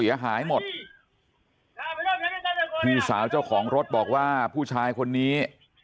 เสียหายหมดพี่สาวเจ้าของรถบอกว่าผู้ชายคนนี้